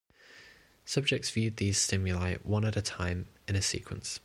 Subjects viewed these stimuli one at a time in a sequence.